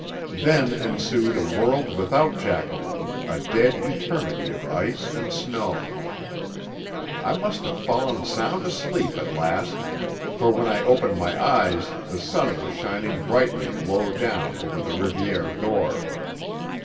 Then ensued a world without Jacqueline, a dead eternity of ice and snow. I must have fallen sound asleep at last, for when I opened my eyes the sun was shining brightly low down over the Rivière d'Or.